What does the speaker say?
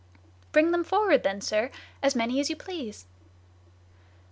"Bring them forward then, sir, as many as you please."